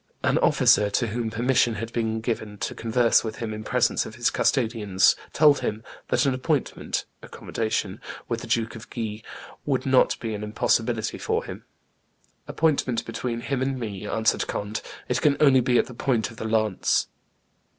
An officer, to whom permission had been given to converse with him in presence of his custodians, told him "that an appointment (accommodation) with the Duke of Guise would not be an impossibility for him." "Appointment between him and me!" answered Conde: "it can only be at the point of the lance."